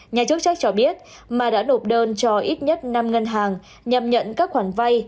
nhà chức trách cho biết mà đã nộp đơn cho ít nhất năm ngân hàng nhằm nhận các khoản vay